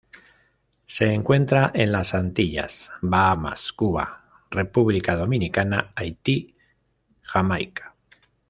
Se encuentra en las Antillas: Bahamas, Cuba, República Dominicana, Haití, Jamaica.